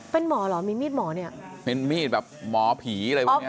เป็นหมอเหรอมีมีดหมอเนี่ยเป็นมีดแบบหมอผีอะไรพวกเนี้ย